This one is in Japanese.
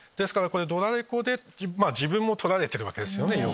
ドラレコで自分も撮られてるわけですよね。